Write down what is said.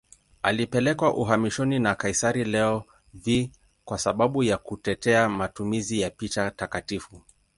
Alipelekwa uhamishoni na kaisari Leo V kwa sababu ya kutetea matumizi ya picha takatifu.